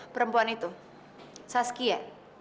perempuan itu saskia